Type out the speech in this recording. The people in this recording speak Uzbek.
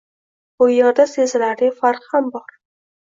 Bu yerda sezilarli farq ham bor.